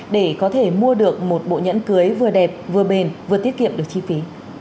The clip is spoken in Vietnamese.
để có thể mua được một bộ nhẫn cưới vừa đẹp vừa bền vừa tiết kiệm được chi phí